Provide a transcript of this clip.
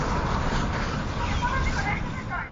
نه د چا په حلواګانو کي لوبیږو ..